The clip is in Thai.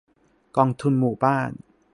กองทุนหมู่บ้าน